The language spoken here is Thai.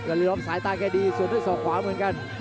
คารีรอฟซ้ายตายใกล้ดีส่วนด้วยฝ่าขวาเหมือนกัน